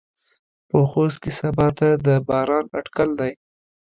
په خوست کې سباته د باران اټکل دى.